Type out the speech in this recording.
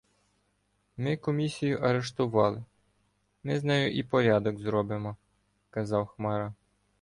— Ми комісію арештували — ми з нею і порядок зробимо, — казав Хмара.